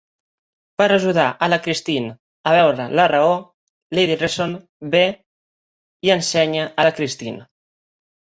Per ajudar a la Christine a veure la raó, Lady Reason ve i ensenya a la Christine.